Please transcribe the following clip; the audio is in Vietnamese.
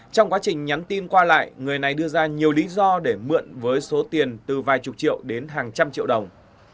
trong quá trình nhắn tin qua lại người này đưa ra nhiều lý do để mượn với số tiền từ vài chục triệu đến hàng trăm triệu đồng